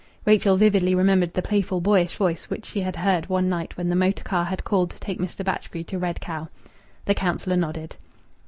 Rachel vividly remembered the playful, boyish voice which she had heard one night when the motor car had called to take Mr. Batchgrew to Red Cow. The councillor nodded.